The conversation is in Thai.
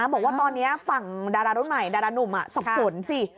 บอกว่าตอนนี้ฝั่งดารารุ่นใหม่ดารานุ่มสับสนสิ